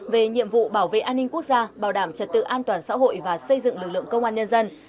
về nhiệm vụ bảo vệ an ninh quốc gia bảo đảm trật tự an toàn xã hội và xây dựng lực lượng công an nhân dân